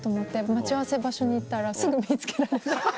待ち合わせ場所に行ったらすぐ見つけられた。